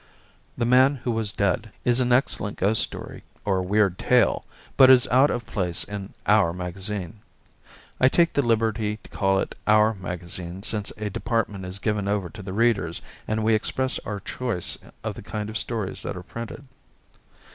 "The Man Who Was Dead" is an excellent ghost story or weird tale, but is out of place in "our" magazine. (I take the liberty to call it "our" magazine since a department is given over to the readers and we express our choice of the kind of stories that are printed.)